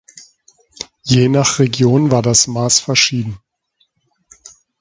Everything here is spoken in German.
Je nach Region war das Maß verschieden.